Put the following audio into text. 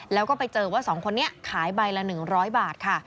แล้วก็ไปเจอว่า๒คนนี้ขายใบละ๑๐๐บาทค่ะ